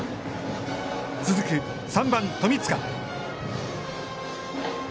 続く、３番富塚。